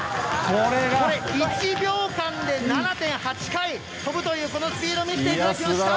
これ、１秒間で７．８回、跳ぶというこのスピード見せていただきました。